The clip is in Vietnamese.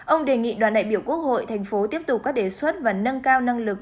ông đề nghị đoàn đại biểu quốc hội thành phố tiếp tục các đề xuất và nâng cao năng lực